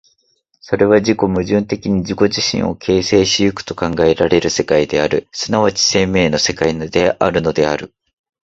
それは自己矛盾的に自己自身を形成し行くと考えられる世界である、即ち生命の世界であるのである。